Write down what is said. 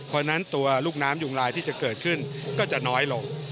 เพราะฉะนั้นตัวลูกน้ำยุงลายที่จะเกิดขึ้นก็จะน้อยลง